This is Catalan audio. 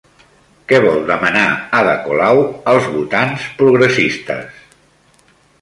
Què vol demanar Ada Colau als votants progressistes?